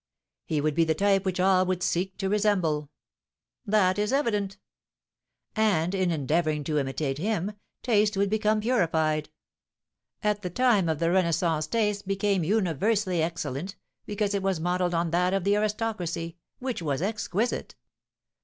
"He would be the type which all would seek to resemble." "That is evident." "And, in endeavouring to imitate him, taste would become purified." "At the time of the Renaissance taste became universally excellent, because it was modelled on that of the aristocracy, which was exquisite."